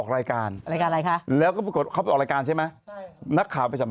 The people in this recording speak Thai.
ไหนเนื้อข่าว